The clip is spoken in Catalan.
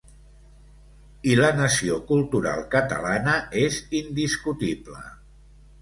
I la nació cultural catalana és indiscutible.